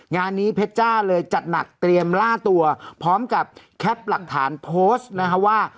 งานนี้เพชรจ้าเลยจัดหนักเตรียมล่าตัวพร้อมกับแคปหลักฐานโพสต์นะฮะว่า